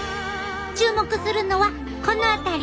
注目するのはこの辺り。